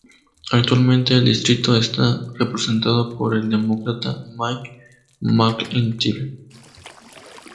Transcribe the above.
Actualmente el distrito está representado por el Demócrata Mike McIntyre.